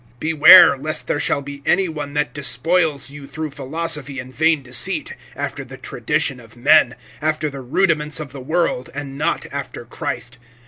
(8)Beware lest there shall be any one that despoils you through philosophy and vain deceit, after the tradition of men, after the rudiments of the world, and not after Christ.